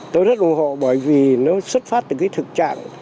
tôi rất ủng hộ bởi vì nó xuất phát từ cái thực trạng